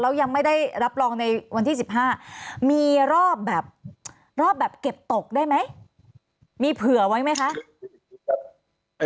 แล้วยังไม่ได้รับรองในวันที่๑๕มีรอบแบบรอบแบบเก็บตกได้ไหมมีเผื่อไว้ไหมคะ